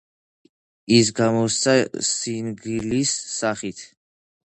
ის გამოიცა სინგლის სახით.